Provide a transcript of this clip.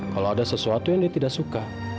kalau ada sesuatu yang dia tidak suka